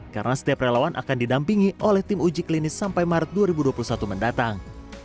karena setiap relawan akan didampingi oleh tim uji klinis sampai maret dua ribu dua puluh satu mendatang